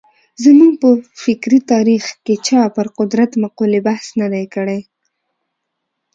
زموږ په فکري تاریخ کې چا پر قدرت مقولې بحث نه دی کړی.